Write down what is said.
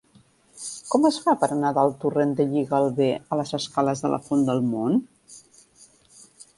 Com es fa per anar del torrent de Lligalbé a les escales de la Font del Mont?